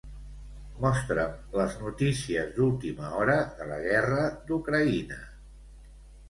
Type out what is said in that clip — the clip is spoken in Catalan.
Mostra'm les notícies d'última hora de la guerra d'Ucraïna.